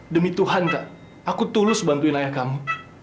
demi tuhan kak aku tulus bantuin ayah kamu